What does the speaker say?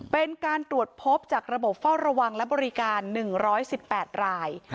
เป็นการตรวจพบจากระบบเฝ้าระวังและบริการ๑๑๘ราย